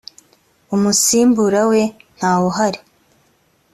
umusimbura we ntawuhari.